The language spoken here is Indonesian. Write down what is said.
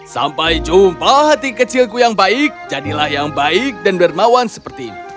sampai jumpa hati kecilku yang baik jadilah yang baik dan bermawan seperti ini